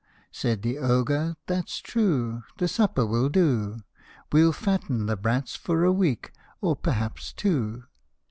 Said the Ogre, "That's true The supper will do. We'll fatten the brats for a week or p'rhaps two.